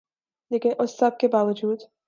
لیکن اس سب کے باوجود